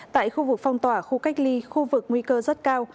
tại khu vực phong tỏa khu cách ly khu vực nguy cơ rất cao